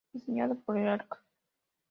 Diseñado por el Arq.